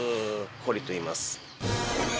堀といいます。